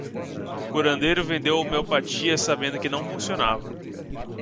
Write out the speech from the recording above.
O curandeiro vendeu homeopatia sabendo que não funcionava